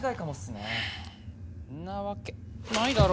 なわけないだろ！